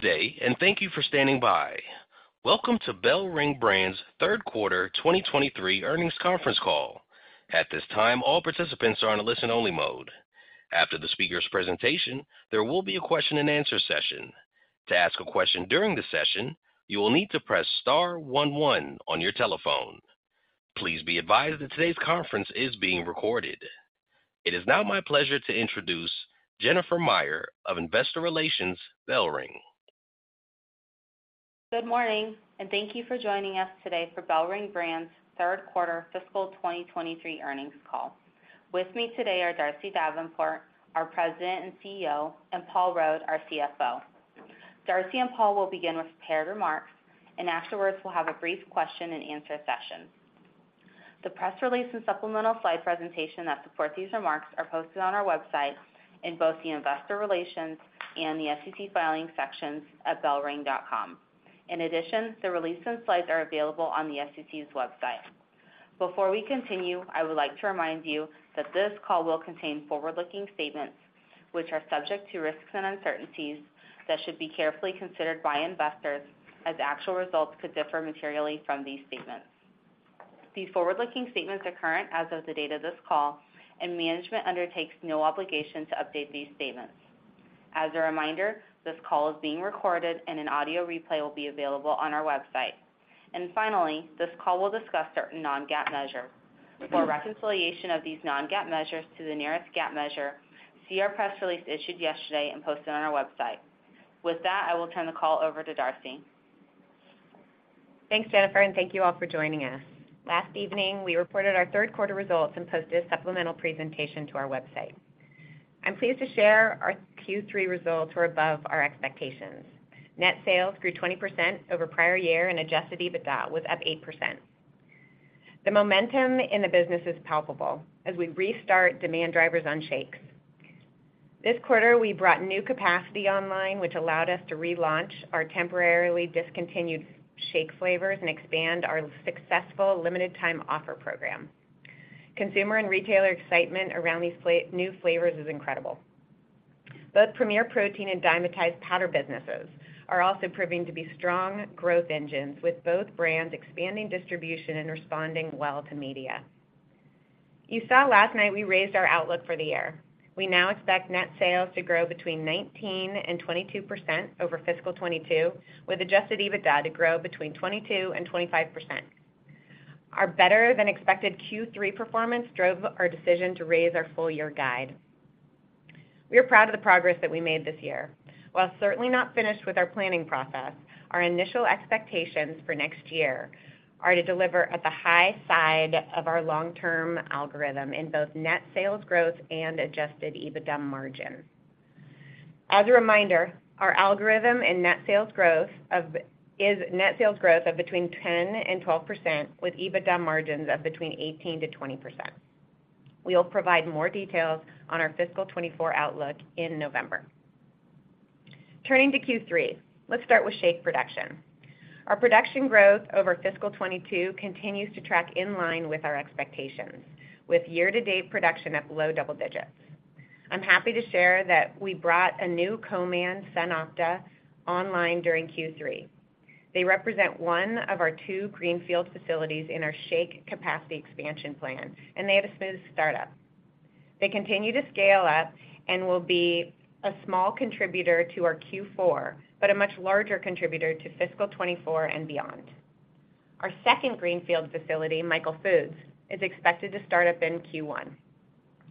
Good day, thank you for standing by. Welcome to BellRing Brands' Third Quarter 2023 Earnings Conference Call. At this time, all participants are on a listen-only mode. After the speaker's presentation, there will be a question-and-answer session. To ask a question during the session, you will need to press star one one on your telephone. Please be advised that today's conference is being recorded. It is now my pleasure to introduce Jennifer Meyer of Investor Relations, BellRing. Good morning, thank you for joining us today for BellRing Brands' Third Quarter Fiscal 2023 Earnings Call. With me today are Darcy Davenport, our President and CEO, and Paul Rode, our CFO. Darcy and Paul will begin with prepared remarks, and afterwards, we'll have a brief question-and-answer session. The press release and supplemental slide presentation that support these remarks are posted on our website in both the Investor Relations and the SEC Filings sections at bellring.com. In addition, the release and slides are available on the SEC's website. Before we continue, I would like to remind you that this call will contain forward-looking statements, which are subject to risks and uncertainties that should be carefully considered by investors, as actual results could differ materially from these statements. These forward-looking statements are current as of the date of this call, and management undertakes no obligation to update these statements. As a reminder, this call is being recorded and an audio replay will be available on our website. Finally, this call will discuss certain non-GAAP measures. For a reconciliation of these non-GAAP measures to the nearest GAAP measure, see our press release issued yesterday and posted on our website. With that, I will turn the call over to Darcy. Thanks, Jennifer. Thank you all for joining us. Last evening, we reported our third quarter results and posted a supplemental presentation to our website. I'm pleased to share our Q3 results were above our expectations. Net sales grew 20% over prior year. Adjusted EBITDA was up 8%. The momentum in the business is palpable as we restart demand drivers on shakes. This quarter, we brought new capacity online, which allowed us to relaunch our temporarily discontinued shake flavors and expand our successful limited time offer program. Consumer and retailer excitement around these new flavors is incredible. Both Premier Protein and Dymatize powder businesses are also proving to be strong growth engines, with both brands expanding distribution and responding well to media. You saw last night we raised our outlook for the year. We now expect net sales to grow between 19% and 22% over fiscal 2022, with adjusted EBITDA to grow between 22% and 25%. Our better-than-expected Q3 performance drove our decision to raise our full-year guide. We are proud of the progress that we made this year. While certainly not finished with our planning process, our initial expectations for next year are to deliver at the high side of our long-term algorithm in both net sales growth and adjusted EBITDA margin. As a reminder, our algorithm and net sales growth is net sales growth of between 10% and 12%, with EBITDA margins of between 18%-20%. We will provide more details on our fiscal 2024 outlook in November. Turning to Q3, let's start with shake production. Our production growth over fiscal 2022 continues to track in line with our expectations, with year-to-date production at low double digits. I'm happy to share that we brought a new co-man SunOpta online during Q3. They represent one of our two greenfield facilities in our shake capacity expansion plan, and they had a smooth startup. They continue to scale up and will be a small contributor to our Q4, but a much larger contributor to fiscal 2024 and beyond. Our second greenfield facility, Michael Foods, is expected to start up in Q1.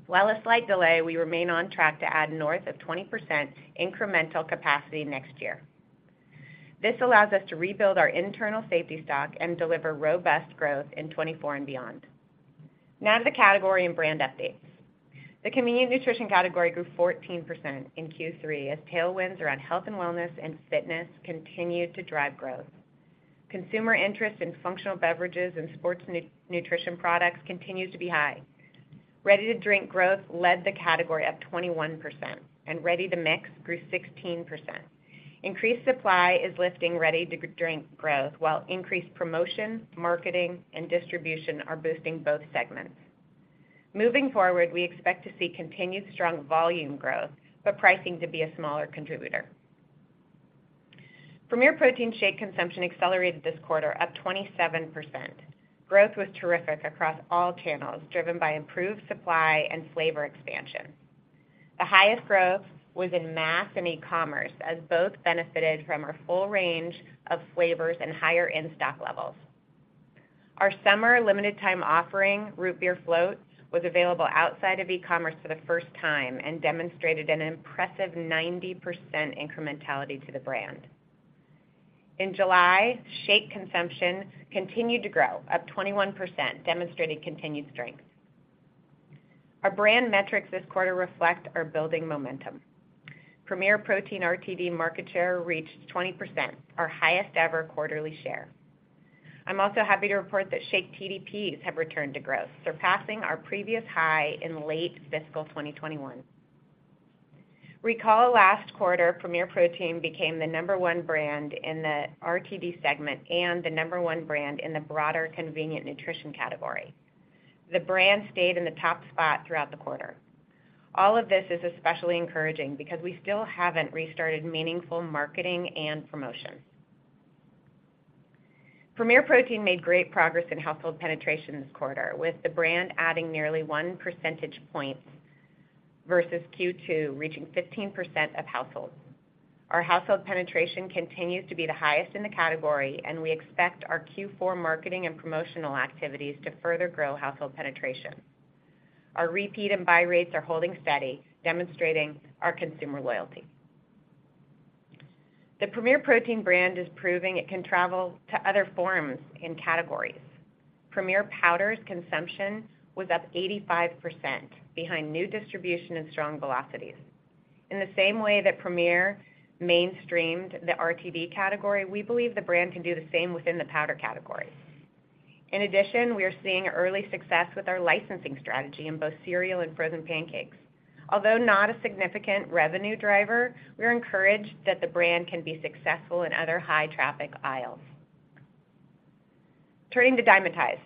While a slight delay, we remain on track to add north of 20% incremental capacity next year. This allows us to rebuild our internal safety stock and deliver robust growth in 2024 and beyond. Now to the category and brand updates. The convenient nutrition category grew 14% in Q3 as tailwinds around health and wellness and fitness continued to drive growth. Consumer interest in functional beverages and sports nutrition products continues to be high. Ready-to-drink growth led the category up 21%, and ready-to-mix grew 16%. Increased supply is lifting ready-to-drink growth, while increased promotion, marketing, and distribution are boosting both segments. Moving forward, we expect to see continued strong volume growth, but pricing to be a smaller contributor. Premier Protein shake consumption accelerated this quarter, up 27%. Growth was terrific across all channels, driven by improved supply and flavor expansion. The highest growth was in mass and e-commerce, as both benefited from our full range of flavors and higher in-stock levels. Our summer limited time offering, Root Beer Float, was available outside of e-commerce for the first time and demonstrated an impressive 90% incrementality to the brand. In July, shake consumption continued to grow, up 21%, demonstrating continued strength. Our brand metrics this quarter reflect our building momentum. Premier Protein RTD market share reached 20%, our highest-ever quarterly share. I'm also happy to report that shake TDPs have returned to growth, surpassing our previous high in late fiscal 2021. Recall last quarter, Premier Protein became the number one brand in the RTD segment and the number one brand in the broader convenient nutrition category. The brand stayed in the top spot throughout the quarter. All of this is especially encouraging because we still haven't restarted meaningful marketing and promotion. Premier Protein made great progress in household penetration this quarter, with the brand adding nearly one percentage point versus Q2, reaching 15% of households. Our household penetration continues to be the highest in the category, we expect our Q4 marketing and promotional activities to further grow household penetration. Our repeat and buy rates are holding steady, demonstrating our consumer loyalty. The Premier Protein brand is proving it can travel to other forms and categories. Premier Powders consumption was up 85% behind new distribution and strong velocities. In the same way that Premier mainstreamed the RTD category, we believe the brand can do the same within the powder category. In addition, we are seeing early success with our licensing strategy in both cereal and frozen pancakes. Although not a significant revenue driver, we're encouraged that the brand can be successful in other high traffic aisles. Turning to Dymatize.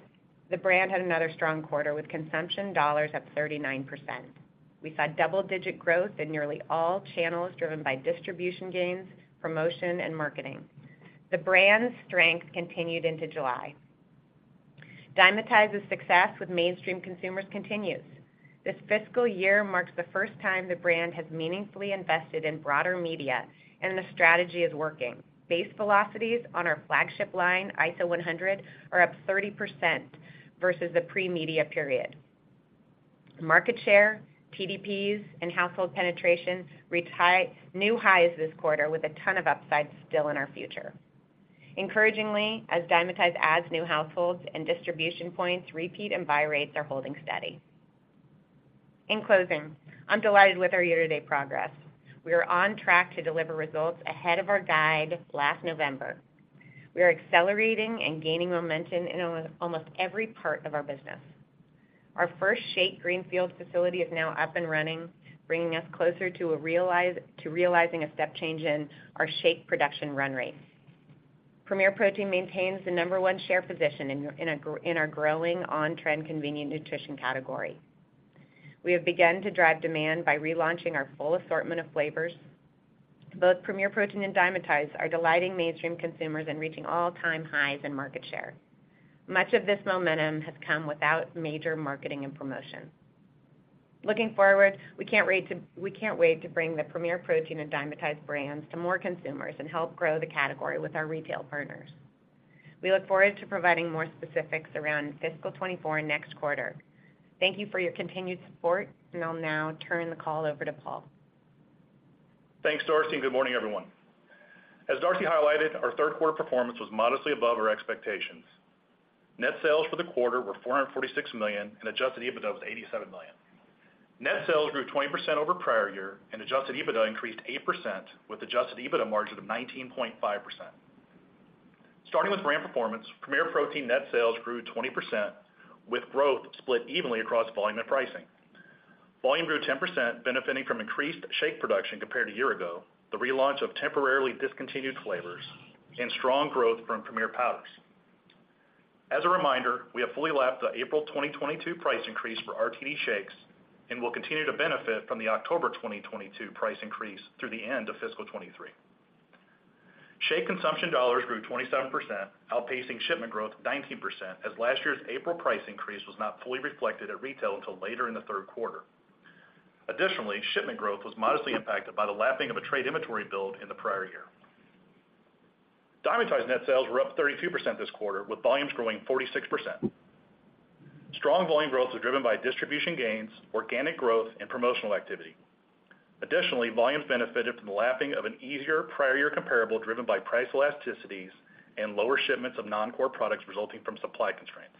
The brand had another strong quarter, with consumption dollars up 39%. We saw double-digit growth in nearly all channels, driven by distribution gains, promotion, and marketing. The brand's strength continued into July. Dymatize's success with mainstream consumers continues. This fiscal year marks the first time the brand has meaningfully invested in broader media, and the strategy is working. Base velocities on our flagship line, ISO100, are up 30% versus the pre-media period. Market share, TDPs, and household penetration reached new highs this quarter, with a ton of upside still in our future. Encouragingly, as Dymatize adds new households and distribution points, repeat and buy rates are holding steady. In closing, I'm delighted with our year-to-date progress. We are on track to deliver results ahead of our guide last November. We are accelerating and gaining momentum in almost every part of our business. Our first shake greenfield facility is now up and running, bringing us closer to realizing a step change in our shake production run rate. Premier Protein maintains the number one share position in our growing on-trend convenient nutrition category. We have begun to drive demand by relaunching our full assortment of flavors. Both Premier Protein and Dymatize are delighting mainstream consumers and reaching all-time highs in market share. Much of this momentum has come without major marketing and promotion. Looking forward, we can't wait to bring the Premier Protein and Dymatize brands to more consumers and help grow the category with our retail partners. We look forward to providing more specifics around fiscal 24 next quarter. Thank you for your continued support, I'll now turn the call over to Paul. Thanks, Darcy. Good morning, everyone. As Darcy highlighted, our third quarter performance was modestly above our expectations. Net sales for the quarter were $446 million, adjusted EBITDA was $87 million. Net sales grew 20% over prior year, adjusted EBITDA increased 8%, with adjusted EBITDA margin of 19.5%. Starting with brand performance, Premier Protein net sales grew 20%, with growth split evenly across volume and pricing. Volume grew 10%, benefiting from increased shake production compared to a year ago, the relaunch of temporarily discontinued flavors, and strong growth from Premier Powders. As a reminder, we have fully lapped the April 2022 price increase for RTD shakes and will continue to benefit from the October 2022 price increase through the end of fiscal 2023. Shake consumption dollars grew 27%, outpacing shipment growth 19%, as last year's April price increase was not fully reflected at retail until later in the third quarter. Shipment growth was modestly impacted by the lapping of a trade inventory build in the prior year. Dymatize net sales were up 32% this quarter, with volumes growing 46%. Strong volume growth was driven by distribution gains, organic growth, and promotional activity. Volumes benefited from the lapping of an easier prior year comparable, driven by price elasticities and lower shipments of non-core products resulting from supply constraints.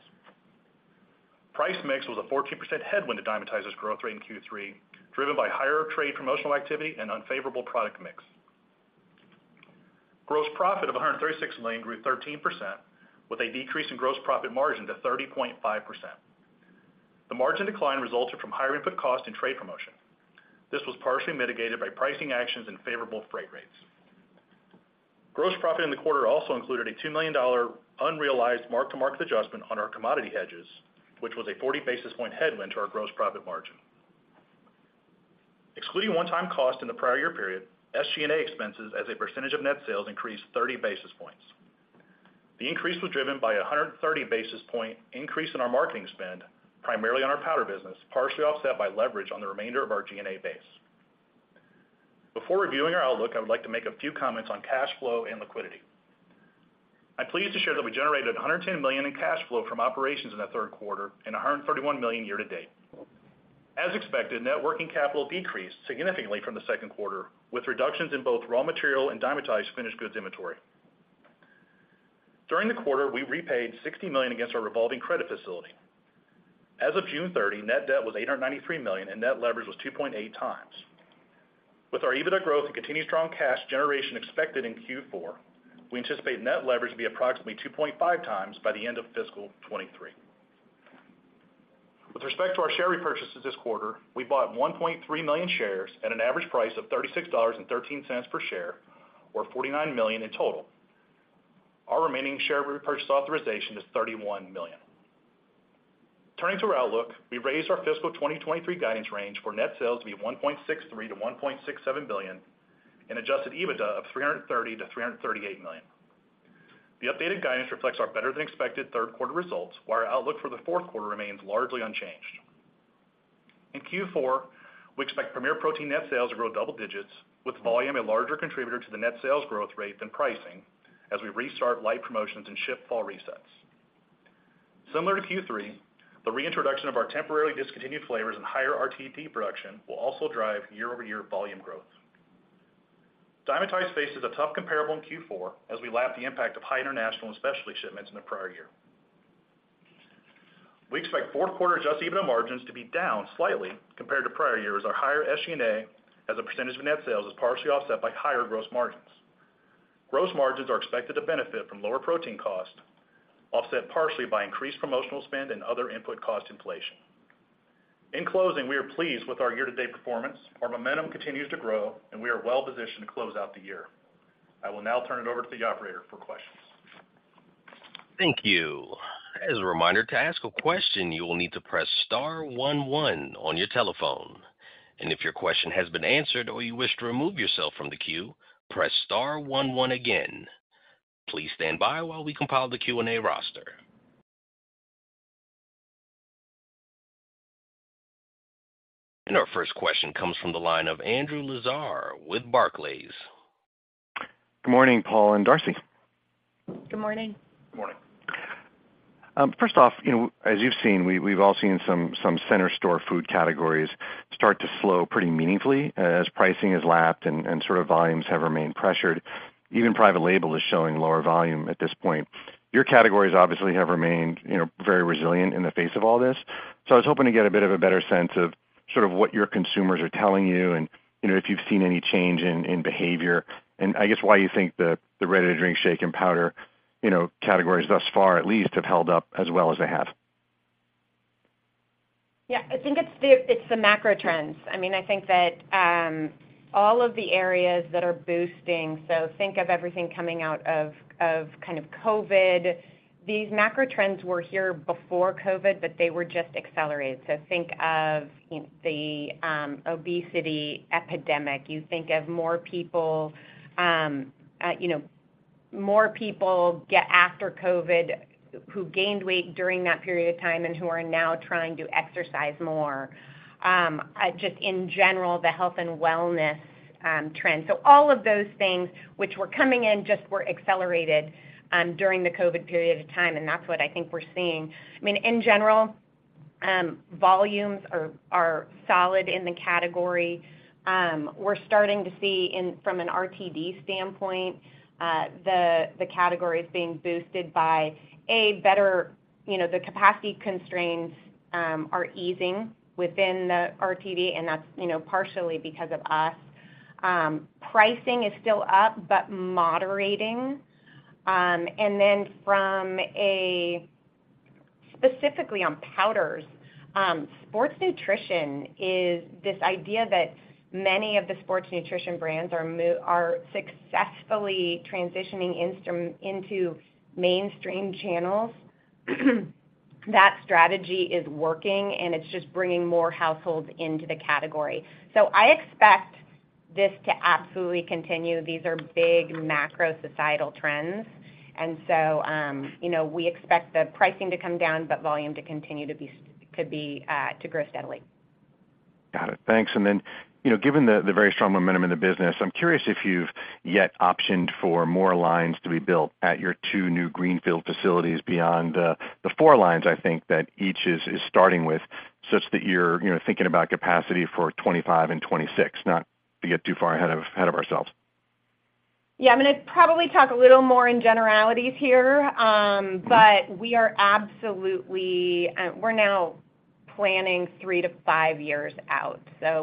Price mix was a 14% headwind to Dymatize's growth rate in Q3, driven by higher trade promotional activity and unfavorable product mix. Gross profit of $136 million grew 13%, with a decrease in gross profit margin to 30.5%. The margin decline resulted from higher input costs and trade promotion. This was partially mitigated by pricing actions and favorable freight rates. Gross profit in the quarter also included a $2 million unrealized mark-to-market adjustment on our commodity hedges, which was a 40 basis point headwind to our gross profit margin. Excluding one-time costs in the prior year period, SG&A expenses as a percentage of net sales increased 30 basis points. The increase was driven by a 130 basis point increase in our marketing spend, primarily on our powder business, partially offset by leverage on the remainder of our G&A base. Before reviewing our outlook, I would like to make a few comments on cash flow and liquidity. I'm pleased to share that we generated $110 million in cash flow from operations in the third quarter and $131 million year to date. As expected, net working capital decreased significantly from the second quarter, with reductions in both raw material and Dymatize finished goods inventory. During the quarter, we repaid $60 million against our revolving credit facility. As of June 30, net debt was $893 million, and net leverage was 2.8x. With our EBITDA growth and continued strong cash generation expected in Q4, we anticipate net leverage to be approximately 2.5x by the end of fiscal 2023. With respect to our share repurchases this quarter, we bought 1.3 million shares at an average price of $36.13 per share or $49 million in total. Our remaining share repurchase authorization is $31 million. Turning to our outlook, we raised our fiscal 2023 guidance range for net sales to be $1.63 billion-$1.67 billion and adjusted EBITDA of $330 million-$338 million. The updated guidance reflects our better-than-expected third quarter results, while our outlook for the fourth quarter remains largely unchanged. In Q4, we expect Premier Protein net sales to grow double digits, with volume a larger contributor to the net sales growth rate than pricing as we restart light promotions and ship fall resets. Similar to Q3, the reintroduction of our temporarily discontinued flavors and higher RTP production will also drive year-over-year volume growth. Dymatize faces a tough comparable in Q4 as we lap the impact of high international and specialty shipments in the prior year. We expect fourth quarter adjusted EBITDA margins to be down slightly compared to prior years. Our higher SG&A as a percentage of net sales is partially offset by higher gross margins. Gross margins are expected to benefit from lower protein costs, offset partially by increased promotional spend and other input cost inflation. In closing, we are pleased with our year-to-date performance. Our momentum continues to grow, and we are well positioned to close out the year. I will now turn it over to the operator for questions. Thank you. As a reminder, to ask a question, you will need to press star one, one on your telephone. If your question has been answered or you wish to remove yourself from the queue, press star one, one again. Please stand by while we compile the Q&A roster. Our first question comes from the line of Andrew Lazar with Barclays. Good morning, Paul and Darcy. Good morning. Good morning. First off, you know, as you've seen, we, we've all seen some, some center store food categories start to slow pretty meaningfully as pricing is lapped and, and sort of volumes have remained pressured. Even private label is showing lower volume at this point. Your categories obviously have remained, you know, very resilient in the face of all this. I was hoping to get a bit of a better sense of sort of what your consumers are telling you, and, you know, if you've seen any change in, in behavior, and I guess why you think the, the ready-to-drink shake and powder, you know, categories thus far at least have held up as well as they have? Yeah, I think it's the, it's the macro trends. I mean, I think that all of the areas that are boosting, think of everything coming out of, of kind of COVID. These macro trends were here before COVID, but they were just accelerated. Think of, you know, the obesity epidemic. You think of more people, you know, more people get after COVID, who gained weight during that period of time and who are now trying to exercise more. Just in general, the health and wellness trend. All of those things which were coming in just were accelerated during the COVID period of time, and that's what I think we're seeing. I mean, in general, volumes are, are solid in the category. We're starting to see in from an RTD standpoint, the categories being boosted by better, you know, the capacity constraints are easing within the RTD, and that's, you know, partially because of us. Pricing is still up, but moderating. From a specifically on powders, sports nutrition is this idea that many of the sports nutrition brands are successfully transitioning into mainstream channels. That strategy is working, and it's just bringing more households into the category. I expect this to absolutely continue. These are big macro societal trends, you know, we expect the pricing to come down, but volume to continue to be to grow steadily. Got it. Thanks. Then, you know, given the, the very strong momentum in the business, I'm curious if you've yet optioned for more lines to be built at your two new greenfield facilities beyond the, the four lines I think that each is, is starting with, such that you're, you know, thinking about capacity for 2025 and 2026, not to get too far ahead of, ahead of ourselves. Yeah, I'm gonna probably talk a little more in generalities here, but we are absolutely, we're now planning three to five years out.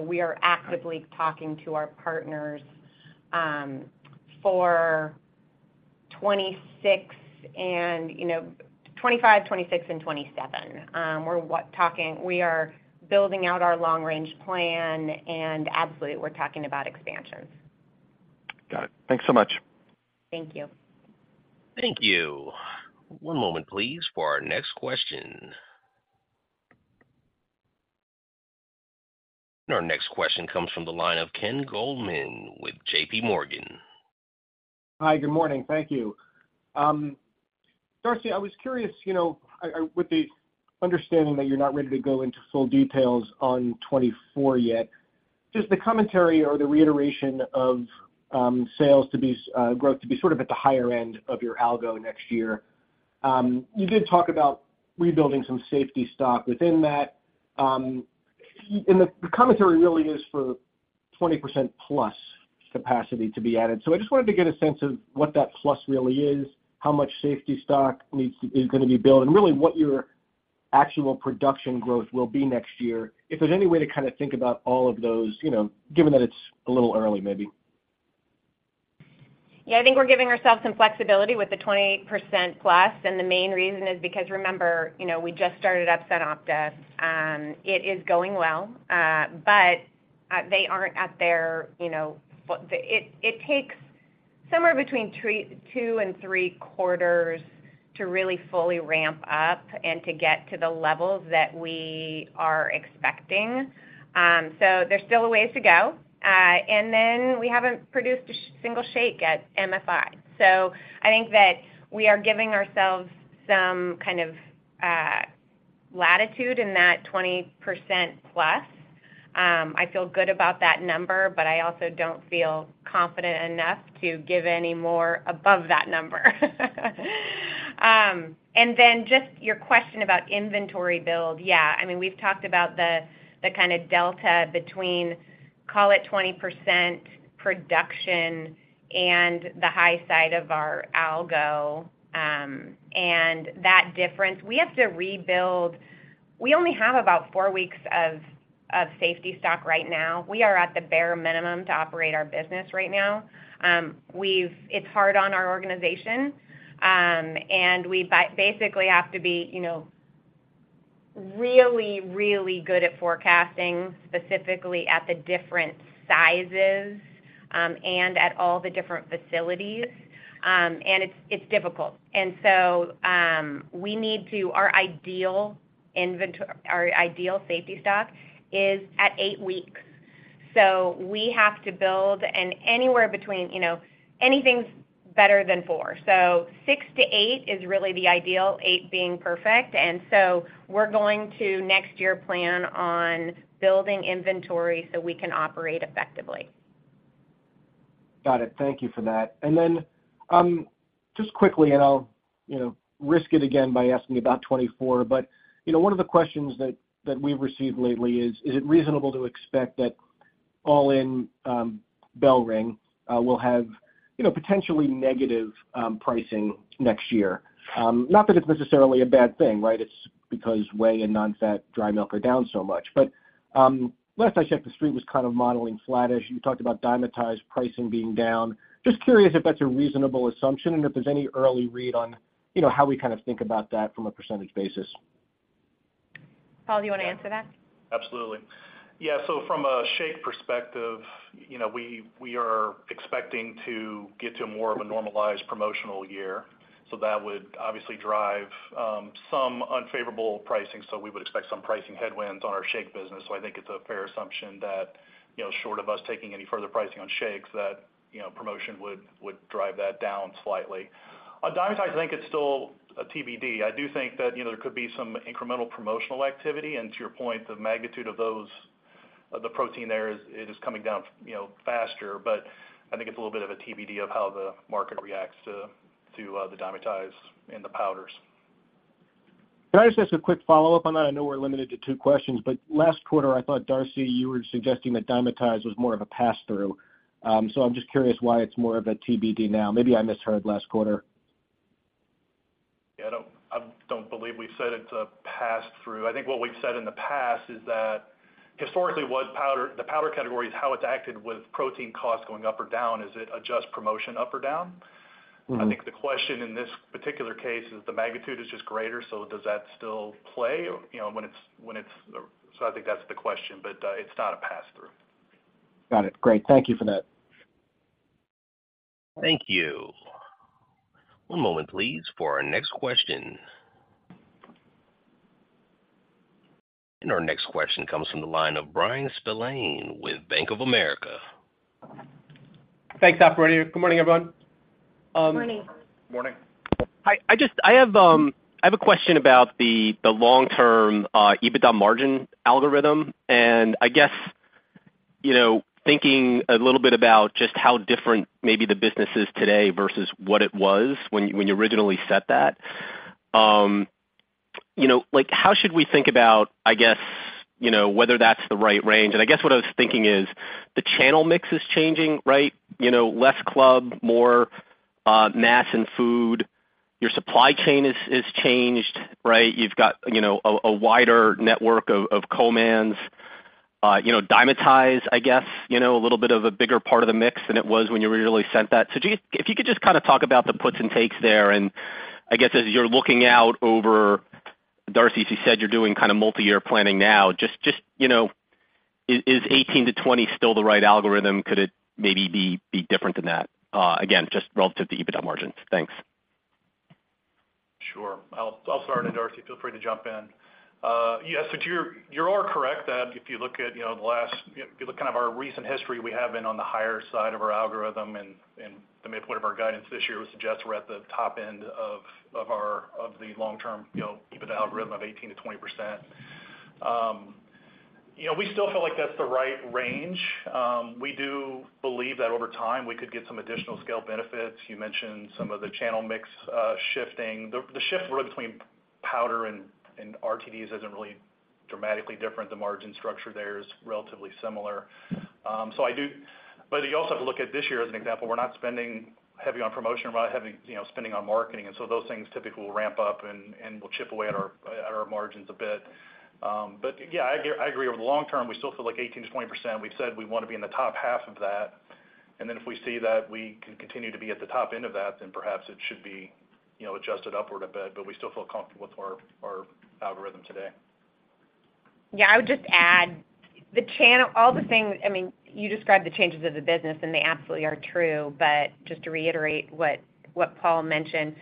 We are actively talking to our partners, for 2026 and, you know, 2025, 2026 and 2027. We are building out our long-range plan, and absolutely, we're talking about expansions. Got it. Thanks so much. Thank you. Thank you. One moment, please, for our next question. Our next question comes from the line of Ken Goldman with JPMorgan. Hi, good morning. Thank you. Darcy, I was curious, you know, I, I, with the understanding that you're not ready to go into full details on 2024 yet, just the commentary or the reiteration of, sales to be, growth to be sort of at the higher end of your algo next year. You did talk about rebuilding some safety stock within that. The, the commentary really is for 20%+ capacity to be added. So I just wanted to get a sense of what that plus really is, how much safety stock is gonna be built, and really, what your actual production growth will be next year, if there's any way to kind of think about all of those, you know, given that it's a little early, maybe? Yeah, I think we're giving ourselves some flexibility with the 28% plus, the main reason is because, remember, you know, we just started up SunOpta. It is going well, but they aren't at their, you know, it, it takes somewhere between 2 and 2.75 quarters to really fully ramp up and to get to the levels that we are expecting. There's still a ways to go. Then we haven't produced a single shake at MFI. I think that we are giving ourselves some kind of latitude in that 20% plus. I feel good about that number, but I also don't feel confident enough to give any more above that number. Then just your question about inventory build. Yeah, I mean, we've talked about the, the kind of delta between, call it 20% production and the high side of our algo, that difference. We have to rebuild. We only have about four weeks of, of safety stock right now. We are at the bare minimum to operate our business right now. it's hard on our organization, and we basically have to be, you know, really, really good at forecasting, specifically at the different sizes, and at all the different facilities. it's difficult. we need to our ideal safety stock is at 8 weeks. we have to build and anywhere between, you know, anything's better than four. 6-8 is really the ideal, eight being perfect. We're going to, next year, plan on building inventory so we can operate effectively. Got it. Thank you for that. Just quickly, and I'll, you know, risk it again by asking about 2024, but, you know, one of the questions that, that we've received lately is: Is it reasonable to expect that all in, BellRing, will have, you know, potentially negative pricing next year? Not that it's necessarily a bad thing, right? It's because whey and nonfat dry milk are down so much. Last I checked, the Street was kind of modeling flattish. You talked about Dymatize pricing being down. Just curious if that's a reasonable assumption, and if there's any early read on, you know, how we kind of think about that from a percentage basis? Paul, do you want to answer that? Absolutely. Yeah, from a shake perspective, you know, we, we are expecting to get to more of a normalized promotional year. That would obviously drive some unfavorable pricing, so we would expect some pricing headwinds on our shake business. I think it's a fair assumption that, you know, short of us taking any further pricing on shakes, that, you know, promotion would, would drive that down slightly. On Dymatize, I think it's still a TBD. I do think that, you know, there could be some incremental promotional activity, and to your point, the magnitude of those, of the protein there is, it is coming down, you know, faster. I think it's a little bit of a TBD of how the market reacts to, to the Dymatize and the powders. Can I just ask a quick follow-up on that? I know we're limited to two questions, but last quarter, I thought, Darcy, you were suggesting that Dymatize was more of a pass-through. I'm just curious why it's more of a TBD now? Maybe I misheard last quarter. Yeah, I don't, I don't believe we said it's a pass-through. I think what we've said in the past is that historically, what the powder category is how it's acted with protein costs going up or down as it adjusts promotion up or down. Mm-hmm. I think the question in this particular case is the magnitude is just greater, so does that still play, you know. I think that's the question, but it's not a pass-through. Got it. Great. Thank you for that. Thank you. One moment, please, for our next question. Our next question comes from the line of Bryan Spillane with Bank of America. Thanks, operator. Good morning, everyone. Morning. Morning. Hi, I just I have a question about the long-term EBITDA margin algorithm. I guess, you know, thinking a little bit about just how different maybe the business is today versus what it was when you, when you originally set that. You know, like, how should we think about, I guess, you know, whether that's the right range? I guess what I was thinking is, the channel mix is changing, right? You know, less club, more mass and food. Your supply chain is, is changed, right? You've got, you know, a wider network of co-mans. You know, Dymatize, I guess, you know, a little bit of a bigger part of the mix than it was when you originally set that. If you could just kind of talk about the puts and takes there, and I guess, as you're looking out over, Darcy, as you said, you're doing kind of multiyear planning now, just, just, you know, is, is 18 to 20 still the right algorithm? Could it maybe be, be different than that? again, just relative to EBITDA margins. Thanks. Sure. I'll, I'll start, Darcy, feel free to jump in. Yeah, you're, you are correct that if you look at, you know, the last, you know, if you look kind of our recent history, we have been on the higher side of our algorithm, the midpoint of our guidance this year would suggest we're at the top end of the long-term, you know, EBITDA algorithm of 18% to 20%. You know, we still feel like that's the right range. We do believe that over time, we could get some additional scale benefits. You mentioned some of the channel mix shifting. The, the shift really between powder and RTDs isn't really dramatically different. The margin structure there is relatively similar. You also have to look at this year as an example. We're not spending heavy on promotion, we're not heavy, you know, spending on marketing. So those things typically will ramp up and, and will chip away at our, at our margins a bit. Yeah, I agree, I agree. Over the long term, we still feel like 18%-20%. We've said we want to be in the top half of that. Then if we see that we can continue to be at the top end of that, then perhaps it should be, you know, adjusted upward a bit, but we still feel comfortable with our, our algorithm today. Yeah, I would just add all the things. I mean, you described the changes of the business, and they absolutely are true, but just to reiterate what Paul mentioned,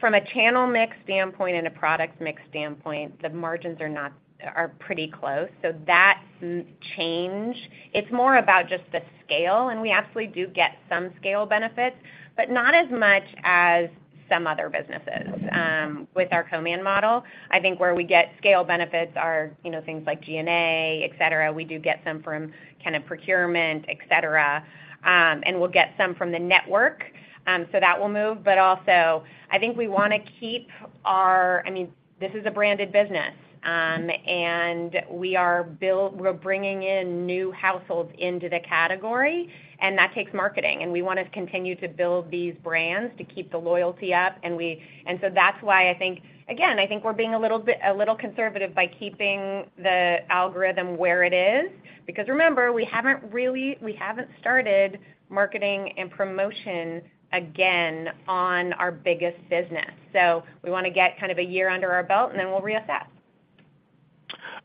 from a channel mix standpoint and a product mix standpoint, the margins are pretty close, so that change, it's more about just the scale, and we absolutely do get some scale benefits, but not as much as some other businesses with our co-man model. I think where we get scale benefits are, you know, things like G&A, et cetera. We do get some from kind of procurement, et cetera, and we'll get some from the network, so that will move. Also, I think we wanna keep our... I mean, this is a branded business, and we are we're bringing in new households into the category, and that takes marketing, and we want to continue to build these brands to keep the loyalty up. And so that's why I think, again, I think we're being a little bit, a little conservative by keeping the algorithm where it is, because remember, we haven't started marketing and promotion again on our biggest business. We wanna get kind of a year under our belt, and then we'll reassess.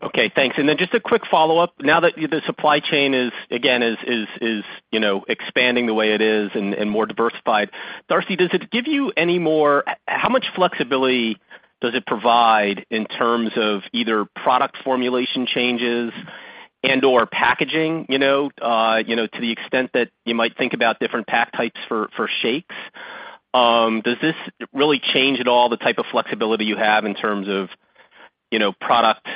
Okay, thanks. Then just a quick follow-up. Now that the supply chain is, again, is, is, is, you know, expanding the way it is and, and more diversified, Darcy, does it give you any more. How much flexibility does it provide in terms of either product formulation changes and/or packaging, you know, you know, to the extent that you might think about different pack types for, for shakes? Does this really change at all the type of flexibility you have in terms of, you know, product,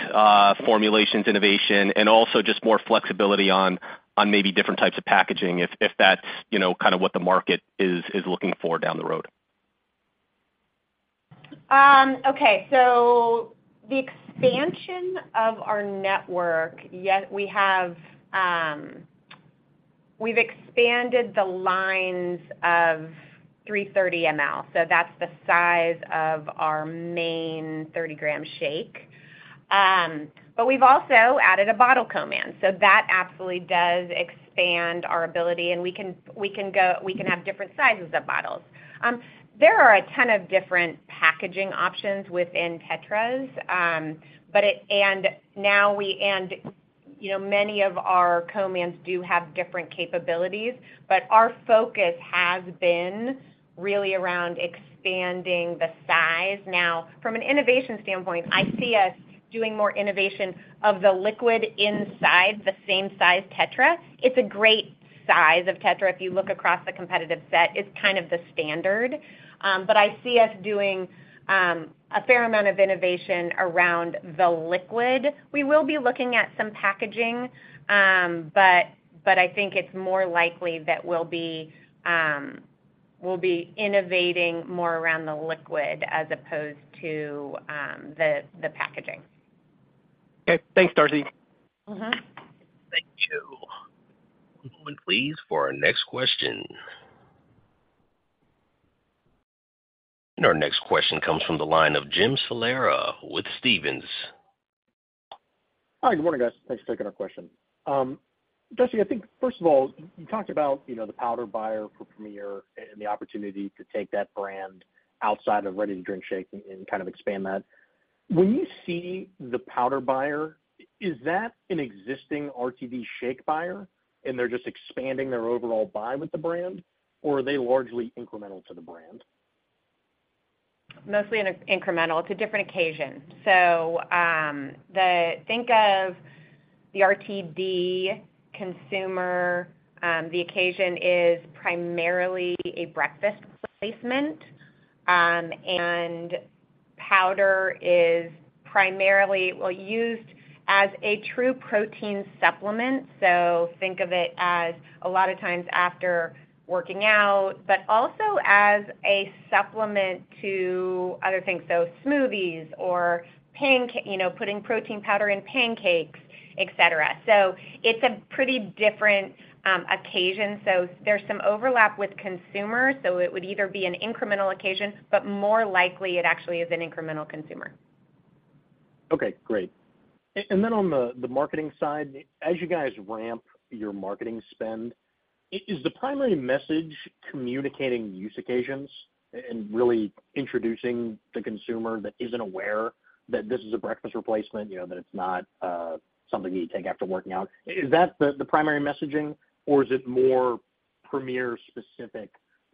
formulations, innovation, and also just more flexibility on, on maybe different types of packaging, if, if that's, you know, kind of what the market is, is looking for down the road? Okay. The expansion of our network, yet we have. We've expanded the lines of 330 mL, so that's the size of our main 30 gram shake. We've also added a bottle co-man, that absolutely does expand our ability, and we can have different sizes of bottles. There are a ton of different packaging options within Tetras, and, you know, many of our co-mans do have different capabilities, our focus has been really around expanding the size. From an innovation standpoint, I see us doing more innovation of the liquid inside the same size Tetra. It's a great size of Tetra. If you look across the competitive set, it's kind of the standard. I see us doing a fair amount of innovation around the liquid. We will be looking at some packaging, but I think it's more likely that we'll be, we'll be innovating more around the liquid as opposed to, the, the packaging. Okay. Thanks, Darcy. Mm-hmm. Thank you. One please, for our next question. Our next question comes from the line of Jim Salera with Stephens. Hi, good morning, guys. Thanks for taking our question. Darcy, I think first of all, you talked about, you know, the powder buyer for Premier and the opportunity to take that brand outside of ready to drink shake and kind of expand that. When you see the powder buyer, is that an existing RTD shake buyer, and they're just expanding their overall buy with the brand, or are they largely incremental to the brand? Mostly an incremental. It's a different occasion. The Think of the RTD consumer, the occasion is primarily a breakfast replacement and powder is primarily, well, used as a true protein supplement. Think of it as a lot of times after working out, but also as a supplement to other things. Smoothies or you know, putting protein powder in pancakes, et cetera. It's a pretty different occasion. There's some overlap with consumers, so it would either be an incremental occasion, but more likely it actually is an incremental consumer. Okay, great. Then on the marketing side, as you guys ramp your marketing spend, is the primary message communicating use occasions and really introducing the consumer that isn't aware that this is a breakfast replacement, you know, that it's not something you take after working out? Is that the primary messaging, or is it more Premier specific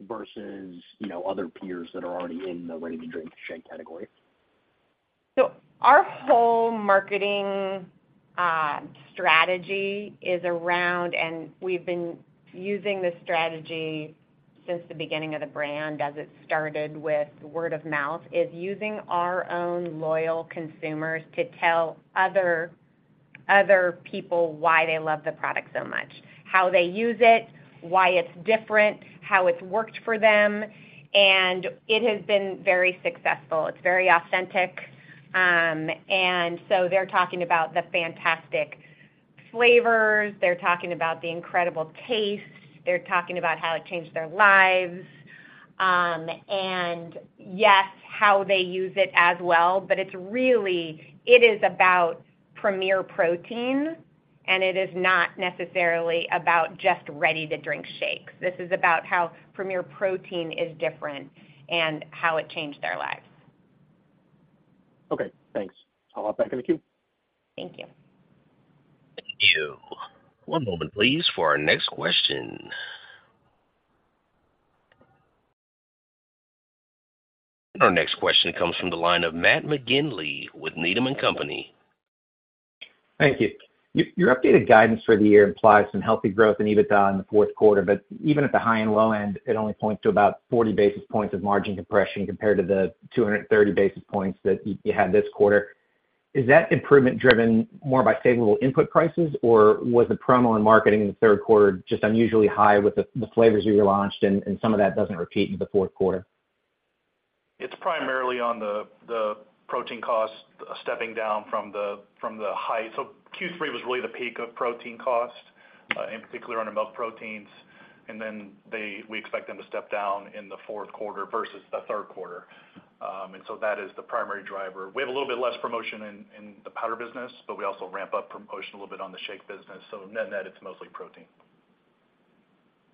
versus, you know, other peers that are already in the ready-to-drink shake category? Our whole marketing strategy is around, and we've been using this strategy since the beginning of the brand, as it started with word of mouth, is using our own loyal consumers to tell other, other people why they love the product so much, how they use it, why it's different, how it's worked for them, and it has been very successful. It's very authentic. So they're talking about the fantastic flavors, they're talking about the incredible taste, they're talking about how it changed their lives. Yes, how they use it as well, but it's really, it is about Premier Protein, and it is not necessarily about just ready-to-drink shakes. This is about how Premier Protein is different and how it changed their lives. Okay, thanks. I'll hop back in the queue. Thank you. Thank you. One moment, please, for our next question. Our next question comes from the line of Matt McGinley with Needham & Company. Thank you. Your, your updated guidance for the year implies some healthy growth in EBITDA in the fourth quarter, even at the high and low end, it only points to about 40 basis points of margin compression compared to the 230 basis points that you, you had this quarter. Is that improvement driven more by favorable input prices, or was the promo on marketing in the third quarter just unusually high with the, the flavors you relaunched, and, and some of that doesn't repeat in the fourth quarter? It's primarily on the, the protein cost stepping down from the, from the high. Q3 was really the peak of protein cost, in particular on the milk proteins, and then we expect them to step down in the fourth quarter versus the third quarter. That is the primary driver. We have a little bit less promotion in, in the powder business, but we also ramp up promotion a little bit on the shake business. Net-net, it's mostly protein.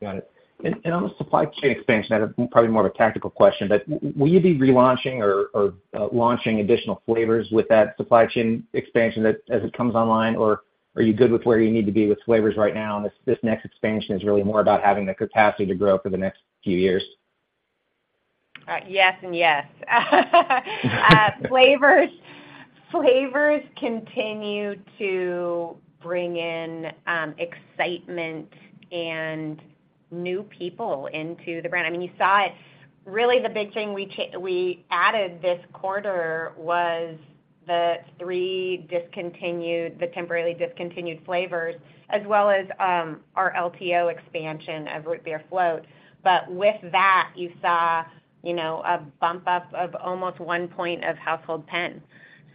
Got it. On the supply chain expansion, I have probably more of a tactical question, but will you be relaunching or launching additional flavors with that supply chain expansion that as it comes online, or are you good with where you need to be with flavors right now, and this, this next expansion is really more about having the capacity to grow for the next few years? Yes and yes. Flavors, flavors continue to bring in excitement and new people into the brand. I mean, you saw it. Really, the big thing we added this quarter was the 3 discontinued, the temporarily discontinued flavors, as well as our LTO expansion of Root Beer Float. With that, you saw, you know, a bump up of almost 1 point of household pen.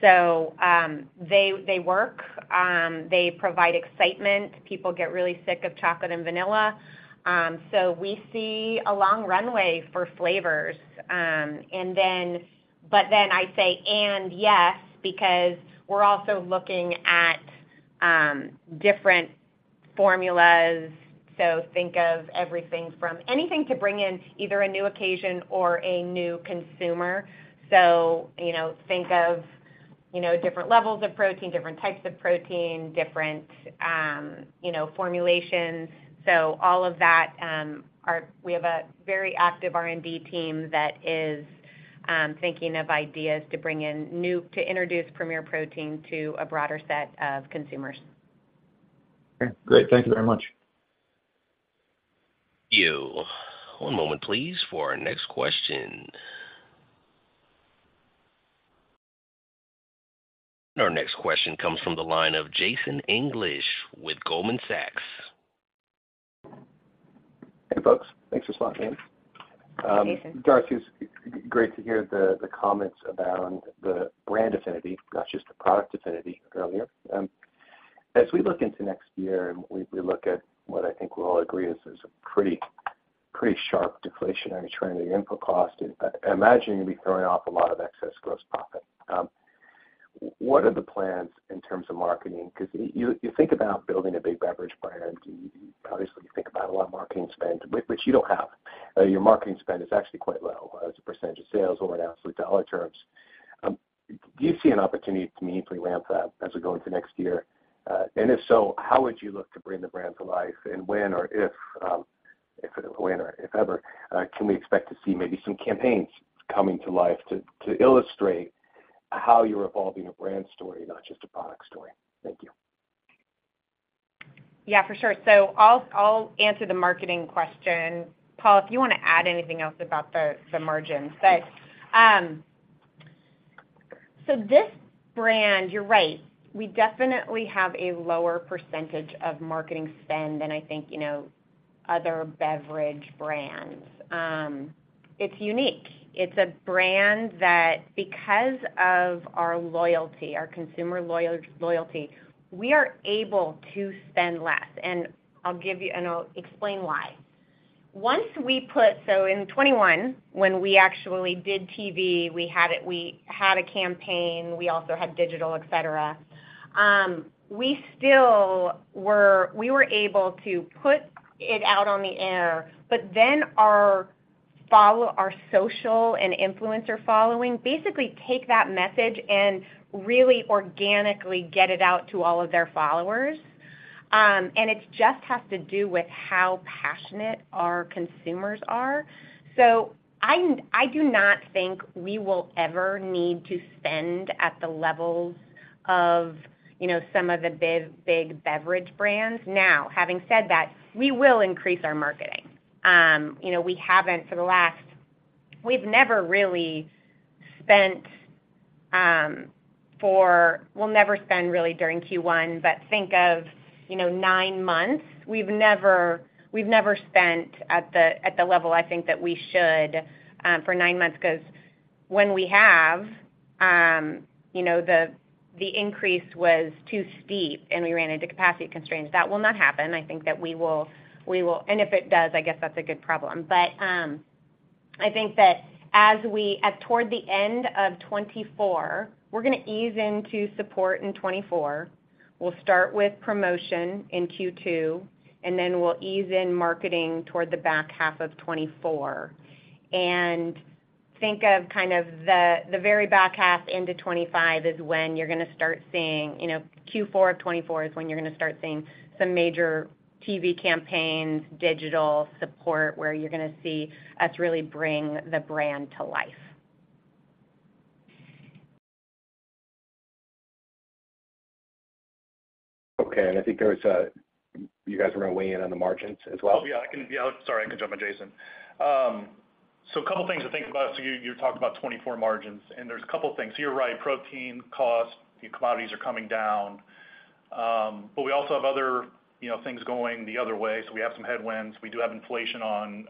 They work, they provide excitement. People get really sick of chocolate and vanilla, we see a long runway for flavors. I say, and yes because we're also looking at different formulas. Think of everything from anything to bring in either a new occasion or a new consumer. You know, think of, you know, different levels of protein, different types of protein, different, you know, formulations. All of that. We have a very active R&D team that is thinking of ideas to bring in to introduce Premier Protein to a broader set of consumers. Okay, great. Thank you very much. One moment, please, for our next question. Next question comes from the line of Jason English with Goldman Sachs. Hey, folks. Thanks for spotting me. Hey, Jason. Darcy, it's great to hear the, the comments around the brand affinity, not just the product affinity earlier. As we look into next year, and we, we look at what I think we'll all agree is, is a pretty, pretty sharp deflationary trend in input cost, I imagine you'll be throwing off a lot of excess gross profit. What are the plans in terms of marketing? Because you, you think about building a big beverage brand, you, you obviously think about a lot of marketing spend, which you don't have. Your marketing spend is actually quite low as a percentage of sales or in absolute dollar terms. Do you see an opportunity to meaningfully ramp that as we go into next year? And if so, how would you look to bring the brand to life? When or if, if, when or if ever, can we expect to see maybe some campaigns coming to life to, to illustrate how you're evolving a brand story, not just a product story? Thank you. Yeah, for sure. I'll, I'll answer the marketing question. Paul, if you wanna add anything else about the, the margins. This brand, you're right, we definitely have a lower % of marketing spend than I think, you know, other beverage brands. It's unique. It's a brand that because of our loyalty, our consumer loyalty, we are able to spend less. I'll explain why. Once we in 2021, when we actually did TV, we had it, we had a campaign, we also had digital, et cetera, we still we were able to put it out on the air, our social and influencer following, basically take that message and really organically get it out to all of their followers. It just has to do with how passionate our consumers are. I, I do not think we will ever need to spend at the levels of, you know, some of the big, big beverage brands. Now, having said that, we will increase our marketing. You know, we haven't for the last we've never really spent for we'll never spend really during Q1, but think of, you know, nine months. We've never, we've never spent at the, at the level I think that we should, for nine months, because when we have, you know, the, the increase was too steep, and we ran into capacity constraints. That will not happen. I think that we will, we will and if it does, I guess that's a good problem. I think that as we at toward the end of 2024, we're gonna ease into support in 2024. We'll start with promotion in Q2, and then we'll ease in marketing toward the back half of 2024. Think of kind of the, the very back half into 2025 is when you're gonna start seeing, you know, Q4 of 2024 is when you're gonna start seeing some major TV campaigns, digital support, where you're gonna see us really bring the brand to life. Okay. I think there was a-- you guys are going to weigh in on the margins as well? Oh, yeah, I can... Yeah, sorry. I can jump in, Jason. A couple of things to think about. You, you talked about 2024 margins, and there's a couple of things. You're right, protein costs, the commodities are coming down. We also have other, you know, things going the other way. We have some headwinds. We do have inflation on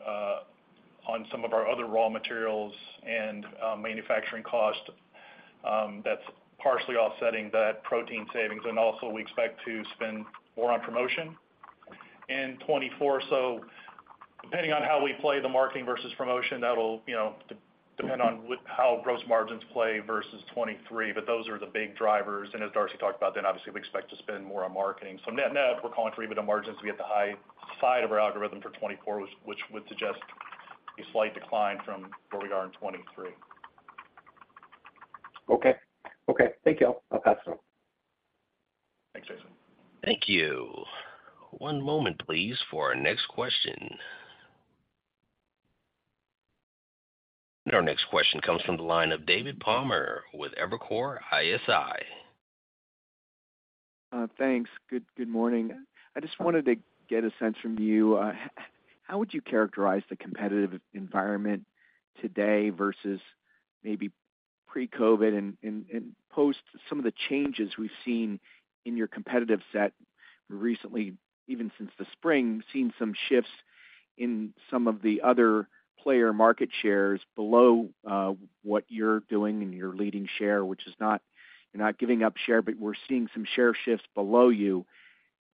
some of our other raw materials and manufacturing costs, that's partially offsetting that protein savings. Also, we expect to spend more on promotion in 2024. Depending on how we play the marketing versus promotion, that'll, you know, depend on with how gross margins play versus 2023, but those are the big drivers. As Darcy talked about, obviously, we expect to spend more on marketing. Net-net, we're calling for EBITDA margins to be at the high side of our algorithm for 2024, which, which would suggest a slight decline from where we are in 2023. Okay. Okay, thank you all. I'll pass it on. Thanks, Jason. Thank you. One moment, please, for our next question. Our next question comes from the line of David Palmer with Evercore ISI. Thanks. Good, good morning. I just wanted to get a sense from you, how would you characterize the competitive environment today versus maybe pre-COVID and post some of the changes we've seen in your competitive set recently, even since the spring, seen some shifts in some of the other player market shares below, what you're doing and your leading share, which is not, you're not giving up share, but we're seeing some share shifts below you.